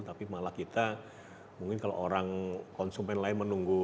tapi malah kita mungkin kalau orang konsumen lain menunggu